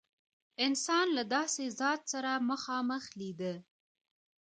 انسان له داسې ذات سره مخامخ لیده.